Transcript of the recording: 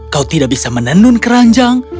kau tidak bisa menenun keranjang